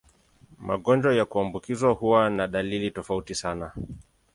Magonjwa ya kuambukizwa huwa na dalili tofauti sana.